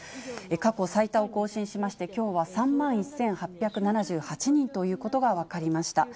過去最多を更新しまして、きょうは３万１８７８人ということが分かりました。